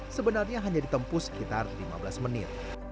sebenarnya hanya ditempuh sekitar lima belas menit